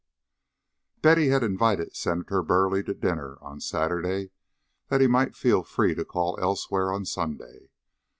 XVIII Betty had invited Senator Burleigh to dinner on Saturday, that he might feel free to call elsewhere on Sunday.